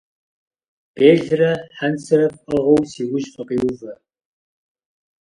Белырэ хьэнцэрэ фӀыгъыу си ужь фыкъиувэ.